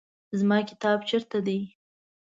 زما کتاب چیرته دی؟